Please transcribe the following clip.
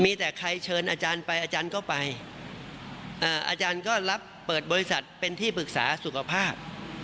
มีแต่ใครเชิญอาจารย์ไปอาจารย์ก็ไปอาจารย์ก็รับเปิดบริษัทเป็นที่ปรึกษาสุขภาพ